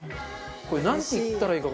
これなんて言ったらいいか。